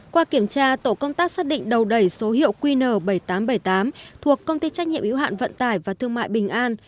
qua kiểm tra tổ công tác xác định đầu đẩy số hiệu qn bảy nghìn tám trăm bảy mươi tám thuộc công ty trách nhiệm yếu hạn vận tải và thương mại bình an